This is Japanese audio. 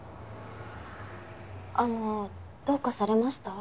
あのどうかされました？